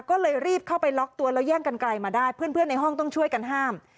ก็เลยรีบเข้าไปล็อกตัวแล้วแย่งกันไกลมาได้เพื่อนในห้องต้องช่วยกันห้าม